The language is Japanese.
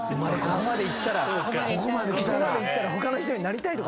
そこまでいったら他の人になりたいとか思わない。